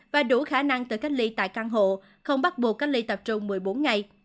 và đủ khả năng tự cách ly tại căn hộ không bắt buộc cách ly tập trung một mươi bốn ngày